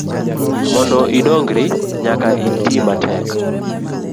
Mondo idongri nyaka itimatek.